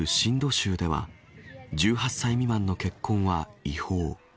州では１８歳未満の結婚は違法。